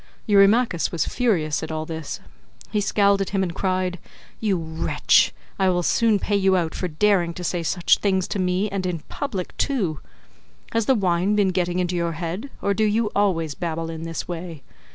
Eurymachus was furious at all this. He scowled at him and cried, "You wretch, I will soon pay you out for daring to say such things to me, and in public too. Has the wine been getting into your head or do you always babble in this way?